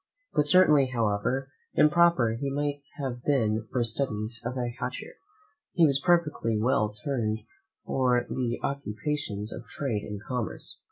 But certainly, however improper he might have been for studies of a higher nature, he was perfectly well turned for the occupations of trade and commerce.